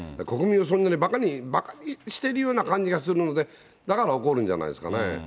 国民は、そんなにばかにしてるような感じがするので、だから、怒るんじゃないですかね。